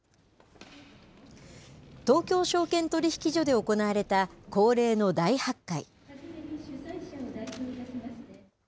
東京証券取引所で行われた恒例の大発会。